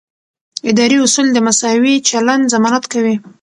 اداري اصول د مساوي چلند ضمانت کوي.